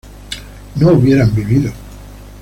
no hubieran vivido